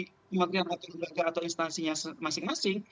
pemerintah atau instansinya masing masing